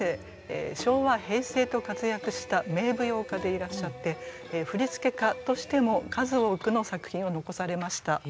昭和平成と活躍した名舞踊家でいらっしゃって振付家としても数多くの作品を残されました。